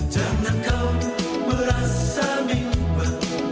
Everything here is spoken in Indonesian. jangan kau merasa mimpi